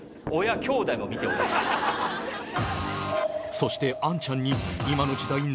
そしてアンちゃんに。